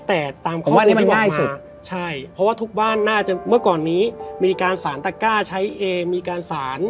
แต่ตามข้อมูลที่บอกมาผมว่านี่มันง่ายสุดใช่เพราะว่าทุกบ้านน่าจะเมื่อก่อนนี้มีการสารตะก้าใช้เอง